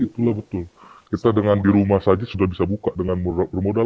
itulah betul kita dengan di rumah saja sudah bisa buka dengan modal